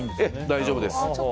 大丈夫です。